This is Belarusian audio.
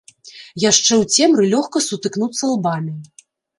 Яшчэ ў цемры лёгка сутыкнуцца лбамі.